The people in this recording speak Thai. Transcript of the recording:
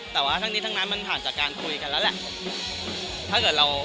แต่ว่าทั้งนี้ทั้งนั้นมันผ่านจากการคุยกันแล้วแหละ